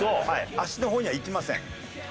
足の方にはいきません。